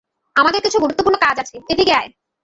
আমাদের কিছু গুরুত্বপূর্ণ কাজ আছে, এদিকে আয়।